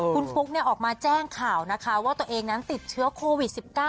คุณฟุ๊กออกมาแจ้งข่าวนะคะว่าตัวเองนั้นติดเชื้อโควิด๑๙